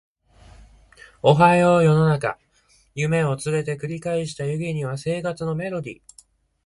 おはよう世の中夢を連れて繰り返した夢には生活のメロディ